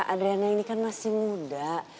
adriana ini kan masih muda